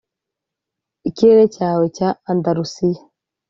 ' ikirere cyawe cya andalusiya.